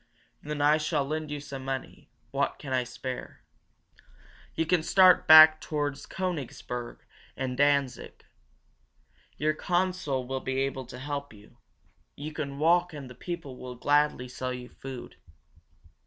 "Then I shall lend you some money what I can spare. You can start back toward Koenigsberg and Danzig. Your consul will be able to help you. You can walk and the people will gladly sell you food."